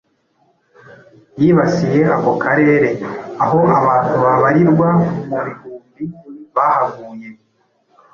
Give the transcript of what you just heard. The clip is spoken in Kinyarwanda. yibasiye ako karere, aho abantu babarirwa mu bihumbi bahaguye